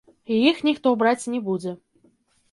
І іх ніхто браць не будзе.